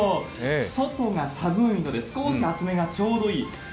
外が寒いので少し熱めがちょうどいい。